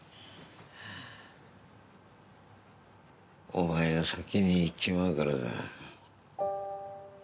お前が先に逝っちまうからだ。